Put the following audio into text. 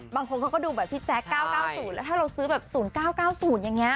บางคนเขาก็ดูแบบพี่แจ๊ค๙๙๐แล้วถ้าเราซื้อแบบ๐๙๙๐อย่างนี้